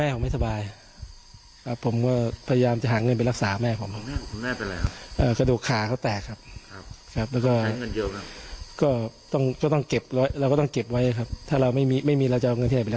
กำไรจากการขายเครื่องรางของขลังเดือนหนึ่งก็ได้สักประมาณ๒๐๐๐บาทก็เท่านั้นแหละ